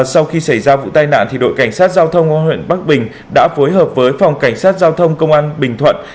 sau khi xảy ra vụ tai nạn đội cảnh sát giao thông công an huyện bắc bình đã phối hợp với phòng cảnh sát giao thông công an bình thuận